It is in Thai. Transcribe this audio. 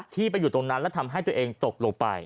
ที่ไปอยู่ตรงนั้นและทำให้ตัวเองตกลงไป